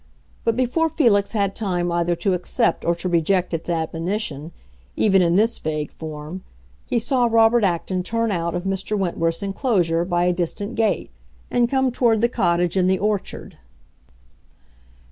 But before Felix had time either to accept or to reject its admonition, even in this vague form, he saw Robert Acton turn out of Mr. Wentworth's enclosure, by a distant gate, and come toward the cottage in the orchard.